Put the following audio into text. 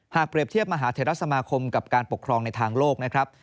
เปรียบเทียบมหาเทรสมาคมกับการปกครองในทางโลกนะครับ